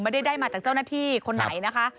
ได้มาจากเจ้าหน้าที่คนไหนนะคะ